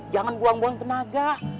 jangan buang buang tenaga